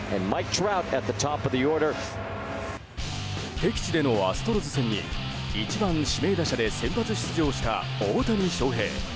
敵地でのアストロズ戦に１番指名打者で先発出場した大谷翔平。